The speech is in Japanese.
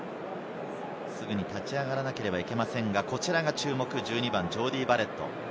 すぐに立ち上がらなければいけませんが、こちらが注目、１２番のジョーディー・バレット。